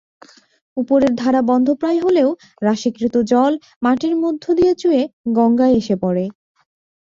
উপরের ধারা বন্ধপ্রায় হলেও রাশীকৃত জল মাটির মধ্য দিয়ে চুইয়ে গঙ্গায় এসে পড়ে।